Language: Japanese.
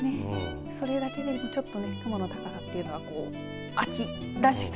それだけでもちょっと雲の高さというのは秋らしさ。